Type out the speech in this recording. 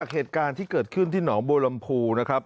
เหตุการณ์ที่เกิดขึ้นที่หนองบัวลำพูนะครับ